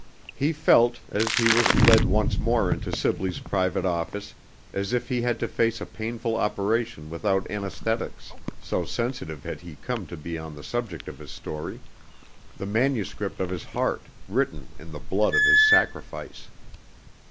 He felt, as he was led once more into Sibley's private office, as if he had to face a painful operation without anesthetics, so sensitive had he come to be on the subject of his story the manuscript of his heart, written in the blood of his sacrifice.